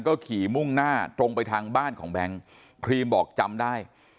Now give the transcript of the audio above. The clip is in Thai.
ก็ขี่มุ่งหน้าตรงไปทางบ้านของแบงค์ครีมบอกจำได้